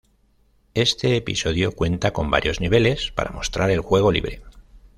Este episodio cuenta con varios niveles para mostrar el juego libre.